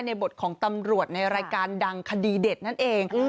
ในบทของตำรวจในรายการดังคดีเด็ดนั่นเอง